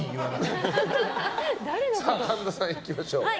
神田さんいきましょう。